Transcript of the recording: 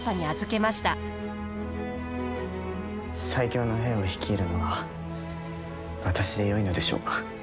最強の兵を率いるのが私でよいのでしょうか。